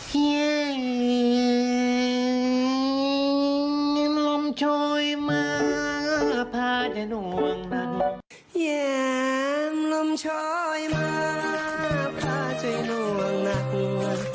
เฮียลมช่วยมาพัดใจล่วงนับหัว